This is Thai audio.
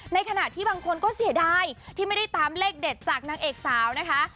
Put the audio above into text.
ในขณะที่บางคนก็เสียดายที่ไม่ได้ตามเลขเด็ดจากนางเอกสาวนะคะ